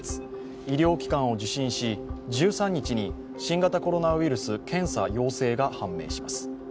医療機関を受診し１３日に新型コロナウイルス検査陽性が判明します。